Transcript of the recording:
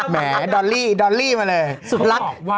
เกรียนมาแล้ว